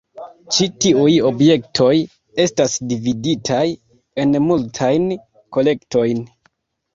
Ĉi tiuj objektoj estas dividitaj en multajn kolektojn.